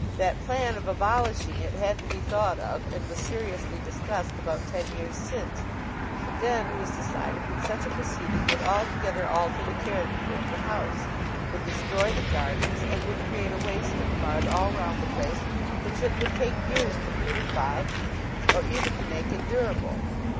That plan of abolishing it had to be thought of and was seriously discussed about ten years since; but then it was decided that such a proceeding would altogether alter the character of the house, would destroy the gardens, and would create a waste of mud all round the place which it would take years to beautify, or even to make endurable.